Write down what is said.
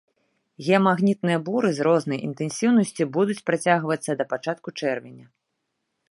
Геамагнітныя буры з рознай інтэнсіўнасцю будуць працягвацца да пачатку чэрвеня.